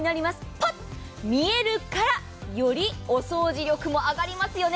パッと見えるから、よりお掃除力も上がりますよね。